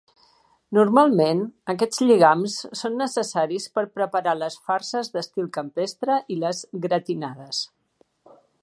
Normalment, aquests lligams són necessaris per preparar les farses d'estil campestre i les "gratinades"